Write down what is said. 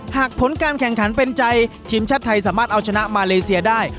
ผลการแข่งขันเป็นใจทีมชาติไทยสามารถเอาชนะมาเลเซียได้